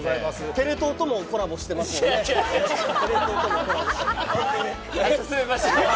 テレ東ともコラボしてますもいやいやいや。